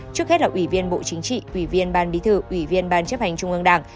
trước hết là ủy viên bộ chính trị ủy viên ban bí thư ủy viên ban chấp hành trung ương đảng